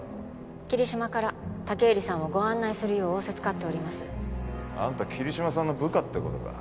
桐島から武入さんをご案内するよう仰せつかっておりますあんた桐島さんの部下ってことか？